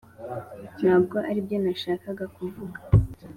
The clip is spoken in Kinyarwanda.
ntabwo aribyo nashakaga kuvuga